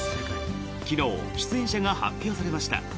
昨日、出演者が発表されました。